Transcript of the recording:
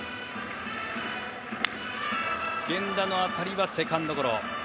源田の当たりはセカンドゴロ。